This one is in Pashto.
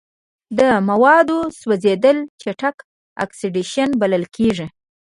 د موادو سوځیدل چټک اکسیدیشن بلل کیږي.